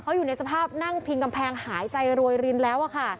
เขาอยู่ในสภาพนั่งพิงกำแพงหายใจรวยรินแล้วอะค่ะ